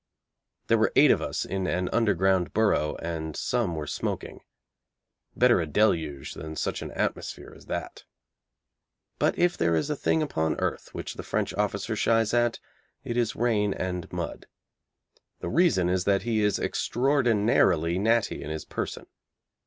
There were eight of us in an underground burrow, and some were smoking. Better a deluge than such an atmosphere as that. But if there is a thing upon earth which the French officer shies at it is rain and mud. The reason is that he is extraordinarily natty in his person.